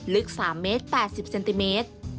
ลึก๓เมตร๘๐เซนติเมตร